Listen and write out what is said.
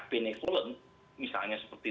benevolent misalnya seperti